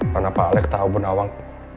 karena pak alek tau bu nawang